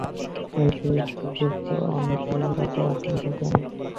এতে শ্রীযুক্ত অমিতের এত আশঙ্কা কেন।